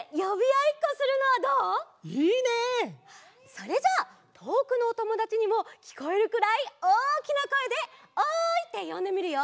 それじゃあとおくのおともだちにもきこえるくらいおおきなこえで「おい！」ってよんでみるよ。